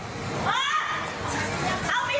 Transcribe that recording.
เอาไปเลย